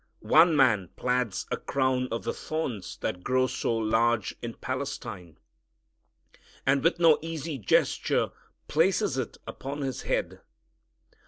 One man plaits a crown of the thorns that grow so large in Palestine, and with no easy gesture places it upon His head.